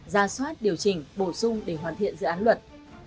ra soát điều chỉnh bổ sung để hoàn thiện dự án luật